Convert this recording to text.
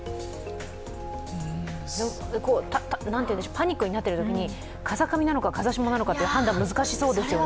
パニックになっているときに、風上なのか、風下なのかという判断難しそうですね。